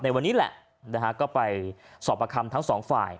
ในวันนี้แหละก็ไปสอบปากคำทั้ง๒ฝ่าย